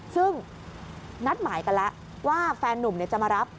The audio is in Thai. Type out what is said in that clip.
ซึ่งนัดหมายกันแล้วว่าแฟนนุ่มจะมารับ